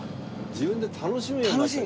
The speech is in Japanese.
自分で楽しむようになったわけ。